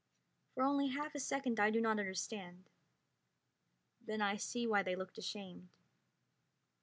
For only half a second I do not understand; then I see why they looked ashamed.